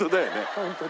本当に。